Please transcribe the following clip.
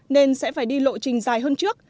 nên sẽ phải đi lộ trình dài hơn trước